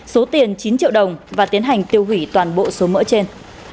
số tiền chín triệu đồng và tiến hành tiêu hủy toàn bộ số mỡ trên